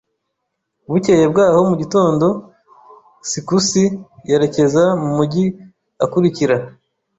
Bukeye bwaho mu gitondo, sikusi yerekeza mu mujyi ukurikira.